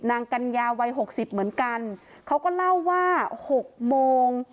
กัญญาวัยหกสิบเหมือนกันเขาก็เล่าว่าหกโมง